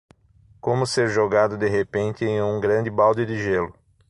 Como ser jogado de repente em um grande balde de gelo